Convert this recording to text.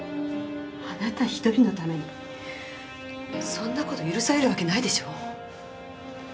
あなた１人のためにそんな事許されるわけないでしょう？